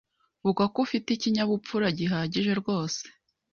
vuga ko afite ikinyabupfura gihagije rwose